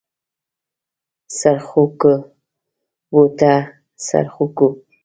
څرخکو بوته څرخکو.